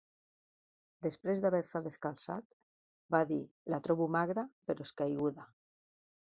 Després de haver-se descalçat- va dir -la trobo magra, però escaiguda.